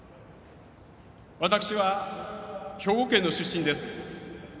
私は兵庫県の出身です。